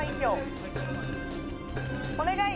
お願い！